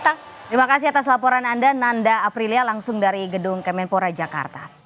terima kasih atas laporan anda nanda aprilia langsung dari gedung kemenpora jakarta